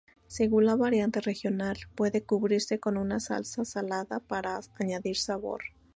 Según la variante regional, puede cubrirse con una salsa salada para añadir sabor.